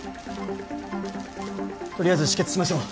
取りあえず止血しましょう。